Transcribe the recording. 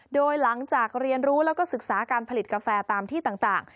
โดยหลังจากเรียนรู้แล้วก็ศึกษาการผลิตกาแฟตามที่ต่าง